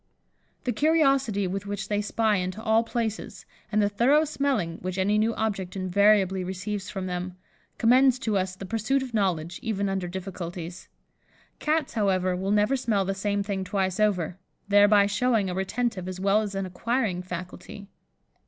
The curiosity with which they spy into all places, and the thorough smelling which any new object invariably receives from them, commends to us the pursuit of knowledge, even under difficulties. Cats, however, will never smell the same thing twice over, thereby showing a retentive as well as an acquiring faculty.